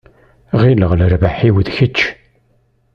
Ɣileɣ lerbaḥ-iw d kečč.